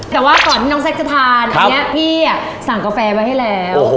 แต่ว่าก่อนที่น้องแซ็กจะทานอันนี้พี่สั่งกาแฟไว้ให้แล้ว